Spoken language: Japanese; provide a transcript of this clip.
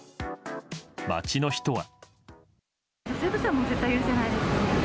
街の人は。